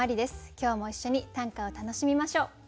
今日も一緒に短歌を楽しみましょう。